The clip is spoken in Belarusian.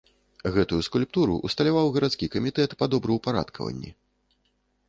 Гэтую скульптуру ўсталяваў гарадскі камітэт па добраўпарадкаванні.